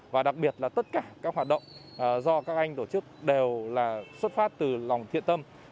và đặc biệt là tất cả các hoạt động do các anh tổ chức đều là xuất phát từ lòng thiện tâm